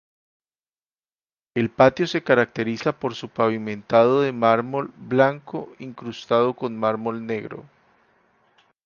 El patio se caracteriza por su pavimentado de mármol blanco incrustado con mármol negro.